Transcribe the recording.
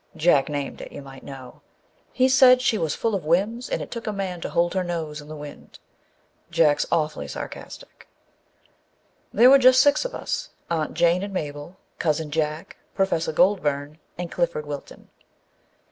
Jack named it, you might know; he said she was full of whims and it took a man to hold her nose in the wind â Jack's awfully sarcastic. There were just six of us â Aunt Jane and Mabel, Cousin Jack, Pro fessor Goldburn, and Clifford Wilton.